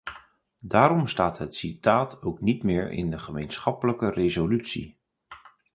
Daarom staat het citaat ook niet meer in de gemeenschappelijke resolutie.